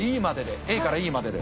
ＡからＥまでで。